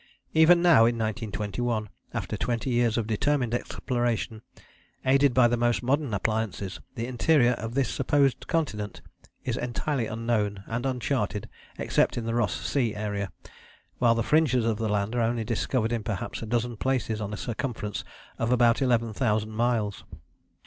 Even now in 1921, after twenty years of determined exploration aided by the most modern appliances, the interior of this supposed continent is entirely unknown and uncharted except in the Ross Sea area, while the fringes of the land are only discovered in perhaps a dozen places on a circumference of about eleven thousand miles.